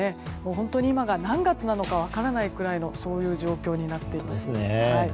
本当に今が何月なのか分からないくらいの状況になっています。